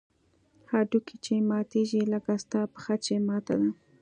هډوکى چې ماتېږي لکه ستا پښه چې ماته ده.